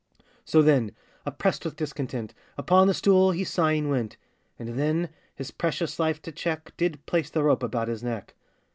So then, oppressed with discontent, Upon the stool he sighing went; And then, his precious life to check, Did place the rope about his neck.